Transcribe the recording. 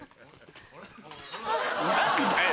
何だよ？